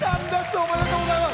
おめでとうございます！